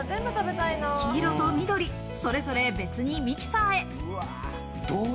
黄色と緑、それぞれ別にミキサーへ。